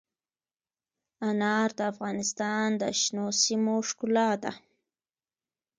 انار د افغانستان د شنو سیمو ښکلا ده.